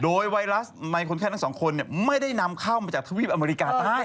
โดยไวรัสในคนไข้ทั้งสองคนไม่ได้นำเข้ามาจากทวีปอเมริกาใต้